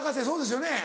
そうですよ